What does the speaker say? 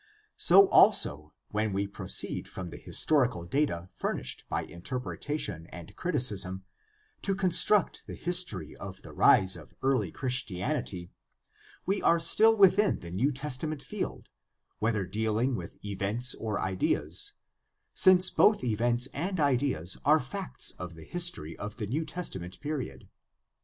So, also, when we proceed from the historical data furnished by interpretation and criticism to construct the history of the rise of early Christianity, we are still within the New Testament field, whether dealing with events or ideas, since both events and ideas are facts of the history of the New Testament period.